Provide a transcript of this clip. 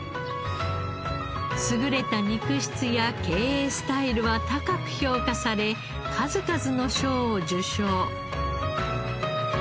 優れた肉質や経営スタイルは高く評価され数々の賞を受賞。